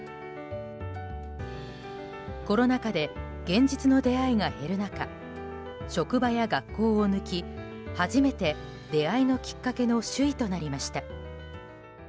コロナ禍で現実の出会いが減る中職場や学校を抜き初めて出会いのきっかけの首位となりました。